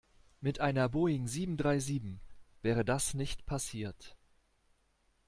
Mit einer Boeing sieben-drei-sieben wäre das nicht passiert.